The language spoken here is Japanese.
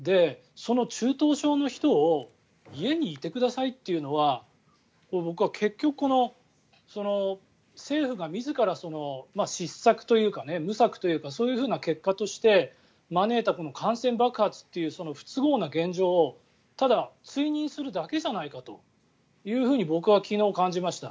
その中等症の人を家にいてくださいというのは僕は結局、政府が自ら失策というか無策というかそういう結果として招いたこの感染爆発というその不都合な現状をただ追認するだけじゃないかと僕は昨日、感じました。